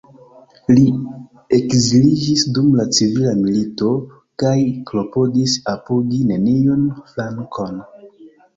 Li ekziliĝis dum la civila milito, kaj klopodis apogi neniun flankon.